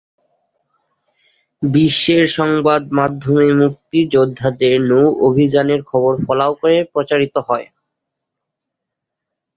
বিশ্বের সংবাদমাধ্যমে মুক্তিযোদ্ধাদের নৌ-অভিযানের খবর ফলাও করে প্রচারিত হয়।